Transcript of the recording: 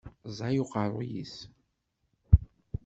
Ẓẓay uqerruy-is.